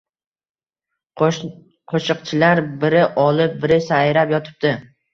Qoʻshiqchilar biri olib, biri sayrab yotibdi.